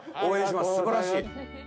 すばらしい。